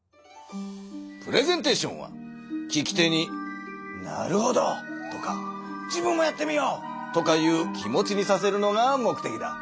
プレゼンテーションは聞き手に「なるほど！」とか「自分もやってみよう！」とかいう気持ちにさせるのが目てきだ。